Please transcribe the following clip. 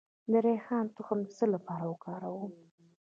د ریحان تخم د څه لپاره وکاروم؟